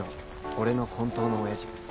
俺の本当の親父。